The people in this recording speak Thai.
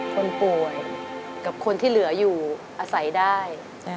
คนป่วยกับคนที่เหลืออยู่อาศัยได้